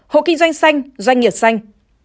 hộ kinh doanh xanh doanh nghiệp xanh